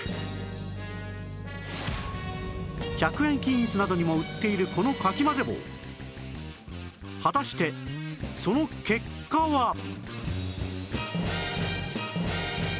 １００円均一などにも売っているこのかき混ぜ棒果たしてその結果は！？